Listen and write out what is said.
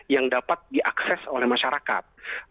yang dapat diakses oleh masyarakat